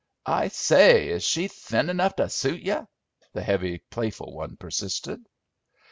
"I say! Is she thin 'nough to suit you?" the heavy playful one persisted.